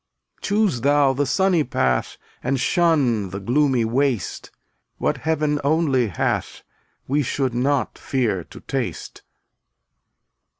Choose thou the sunny path And shun the gloomy waste; What Heaven only hath We should not fear to taste.